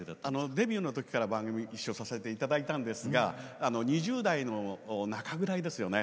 デビューのときから番組ご一緒させていただいたんですが２０代の中ぐらいですよね。